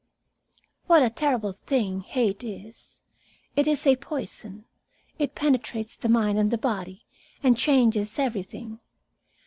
"What a terrible thing hate is. It is a poison. It penetrates the mind and the body and changes everything.